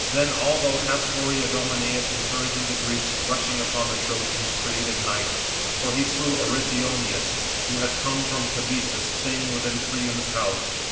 Then, although half hoary Idomeneus, encouraging the Greeks, rushing upon the Trojans, created night; for he slew Othryoneus, who had come from Cabesus, staying within [Priam's house].